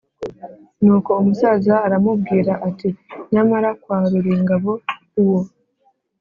Nuko umusaza aramubwira ati: “Nyamara kwa Ruringabo uwo